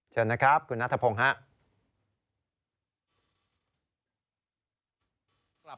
เชิญนะครับกุณนัทธพงศ์ะ